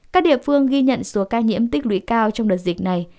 các địa phương ghi nhận số ca nhiễm tích lũy cao trong đợt dịch này